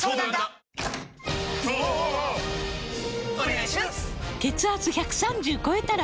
お願いします！！！